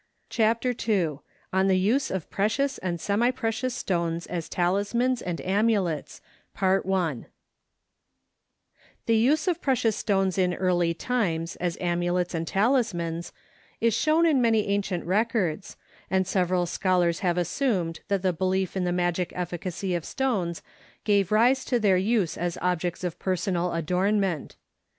II On the Use of Precious and Semi Precious Stones as Talismans and Amulets The use of precious stones in early times as amulets and talismans is shown in many ancient records, and several scholars have assumed that the belief in the magic efficacy of stones gave rise to their use as objects of personal adornment.